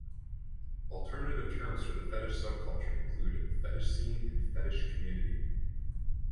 Alternative terms for the fetish subculture include fetish scene and fetish community.